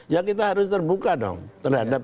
ya kita harus terbuka dong terhadap